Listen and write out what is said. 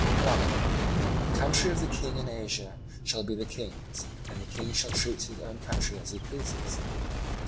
1. The country of the King in Asia shall be the King's, and the King shall treat his own country as he pleases.